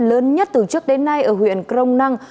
lớn nhất từ trước đến nay ở huyện crong năng